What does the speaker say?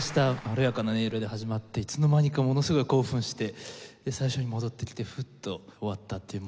まろやかな音色で始まっていつの間にかものすごい興奮してで最初に戻ってきてフッと終わったっていう。